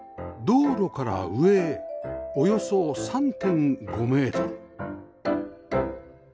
道路から上へおよそ ３．５ メートル